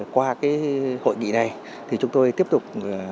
qua cái hội nghị này thì chúng tôi tiếp tục